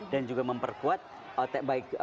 dan juga memperkuat baik